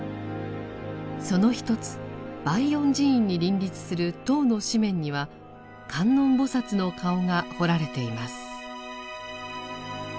その一つバイヨン寺院に林立する塔の四面には観音菩の顔が彫られています。